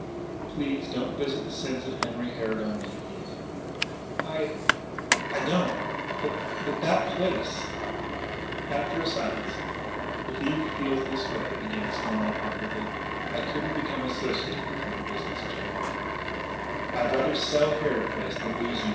"Please don't visit the sins of Henry Harrod on me, Eve." "I don't. But but that place " After a silence: "If Eve feels that way," began Stormont awkwardly, "I couldn't become associated with you in business, Jim " "I'd rather sell Harrod Place than lose you!"